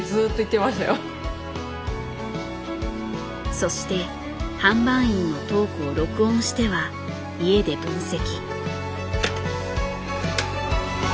そして販売員のトークを録音しては家で分析。